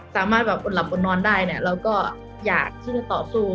สามารถแบบอดหลับอดนอนได้เนี่ยเราก็อยากที่จะต่อสู้